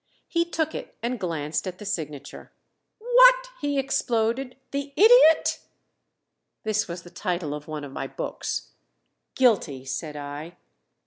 He took it, and glanced at the signature. "What?" he exploded. "The Idiot?" This was the title of one of my books. "Guilty!" said I.